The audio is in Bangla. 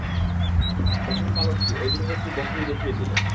তখন বালকটি অদূরের একটি বকরী দেখিয়ে দিল।